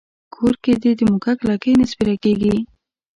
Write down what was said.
کور کې دې د موږک لکۍ نه سپېره کېږي.